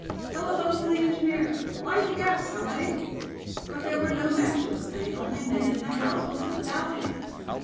"Telephone to the engineer." "Light the gas somebody." But there were no matches, and the only man in the house was in the balcony.